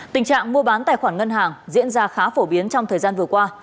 tình trạng mua bán tài khoản ngân hàng diễn ra khá phổ biến trong thời gian vừa qua